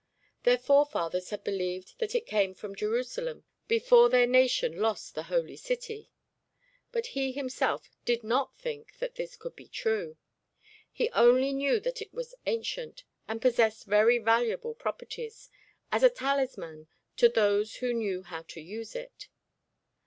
Their forefathers had believed that it came from Jerusalem before their nation lost the holy city; but he himself did not think that this could be true; he only knew that it was ancient, and possessed very valuable properties as a talisman to those who knew how to use it.